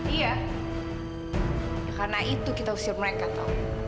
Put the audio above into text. iya karena itu kita usur mereka tau